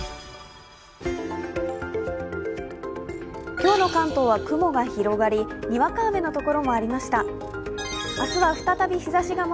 今日の関東は雲が広がりにわか雨の所もありました。